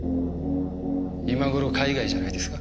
今頃海外じゃないですか。